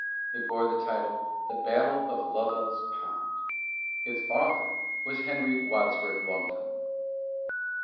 It bore the title of "The Battle of Lovell's Pond." Its author was Henry Wadsworth Longfellow.